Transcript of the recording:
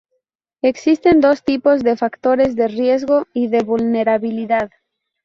Existen dos tipos de factores: de riesgo y de vulnerabilidad.